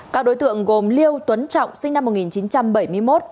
các đối tượng gồm liêu tuấn trọng sinh năm một nghìn chín trăm bảy mươi một